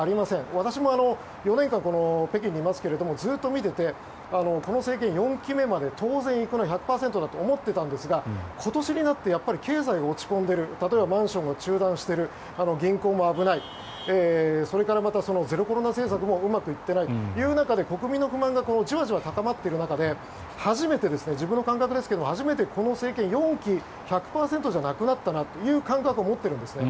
私も４年間この北京にいますけどずっと見ていてこの政権、４期目まで当然行くな１００％だと思ってたんですが今年になって経済が落ち込んでいる例えばマンションが中断している銀行も危ないそれから、ゼロコロナ政策もうまくいっていない中で国民の不満がじわじわ高まっている中で初めて、自分の感覚ですがこの政権４期、１００％じゃなくなったなという感覚を持ってるんですね。